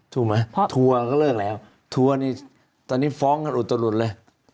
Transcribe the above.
ทัวร์ก็เลิกแล้วทัวร์ตอนนี้ฟ้องกันอุดตะหลุดเลย